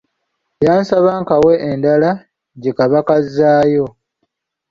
Yansaba nkawe endala gye kaba kazzaayo.